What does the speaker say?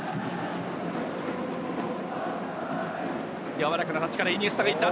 やわらかなタッチからイニエスタが行った！